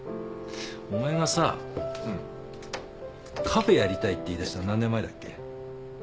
カフェやりたいって言いだしたの何年前だっけ？